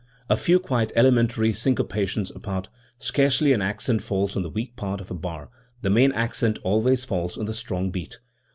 A few quite elementary syncopations apart, scarcely an accent falls on the weak part of a bar; the main accent always falls on the strong beat.